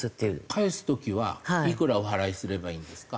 返す時はいくらお払いすればいいんですか？